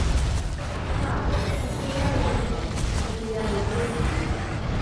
Tarver è sposato con Katie da cui hanno due figli.